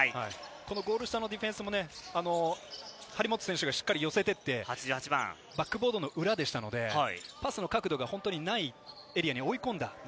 ゴール下のディフェンスも張本選手がしっかり寄せていって、バックボードの裏でしたので、角度がないエリアに追い込んだ。